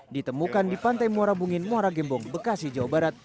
ditemukan di pantai muara bungin muara gembong bekasi jawa barat